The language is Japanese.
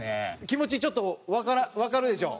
気持ちちょっとわかるでしょ？